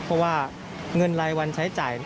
เพราะว่าเงินรายวันใช้จ่าย